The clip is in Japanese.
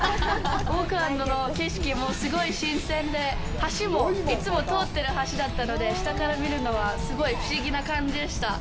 オークランドの景色もすごい新鮮で、橋もいつも通っている橋だったので、下から見るのはすごい不思議な感じでした。